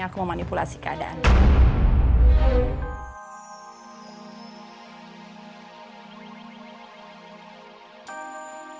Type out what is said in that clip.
kebiasaan banget sih langsung dimatiin